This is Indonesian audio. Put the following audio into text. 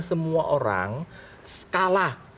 semua orang kalah